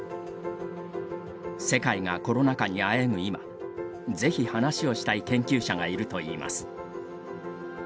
世界がコロナ禍にあえぐ今ぜひ話をしたい研究者がいるといいます。